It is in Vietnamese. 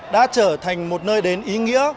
đã trở thành một nơi đến ý nghĩa